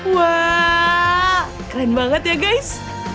wah keren banget ya guys